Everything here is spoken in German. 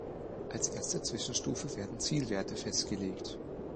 Als erste Zwischenstufe werden Zielwerte festgelegt.